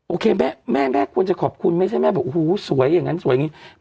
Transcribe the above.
โอเคแม่แม่ควรจะขอบคุณไม่ใช่แม่บอกโอ้โหสวยอย่างนั้นสวยอย่างนี้